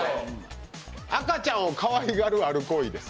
赤ちゃんをかわいがる、ある行為です。